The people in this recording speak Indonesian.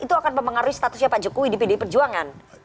itu akan mempengaruhi statusnya pak jokowi di pdi perjuangan